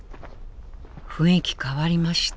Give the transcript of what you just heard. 雰囲気変わりました。